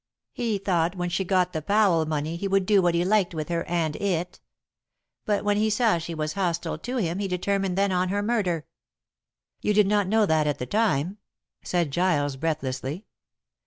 He thought when she got the Powell money he would do what he liked with her and it. But when he saw she was hostile to him he determined then on her murder." "You did not know that at the time?" said Giles breathlessly.